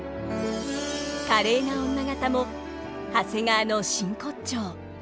華麗な女方も長谷川の真骨頂。